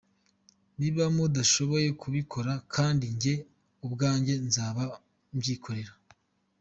Niba mudashoboye kubikora kandi, jye ubwanjye nzaza mbyikorere.